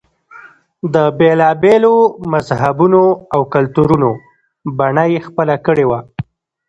د بېلا بېلو مذهبونو او کلتورونو بڼه یې خپله کړې وه.